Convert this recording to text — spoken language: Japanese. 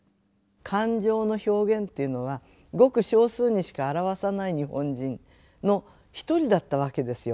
感情の表現っていうのはごく少数にしか表さない日本人の一人だったわけですよ